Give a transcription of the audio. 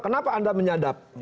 kenapa anda menyadap